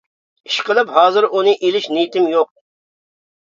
ئىشقىلىپ ھازىر ئۇنى ئېلىش نىيىتىم يوق.